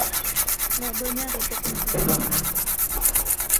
Leur bonheur était complet.